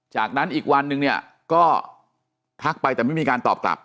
จากนั้นอีกวันนึงเนี่ยก็ทักไปแต่ไม่มีการตอบกลับ